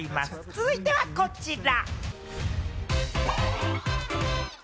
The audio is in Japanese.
続いてはこちら。